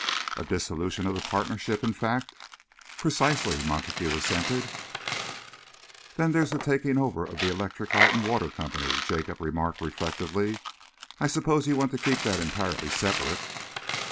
"A dissolution of partnership, in fact?" "Precisely," Montague assented. "There's the taking over of the Electric Light and Water Company," Jacob remarked reflectively. "I suppose you want that kept entirely separate."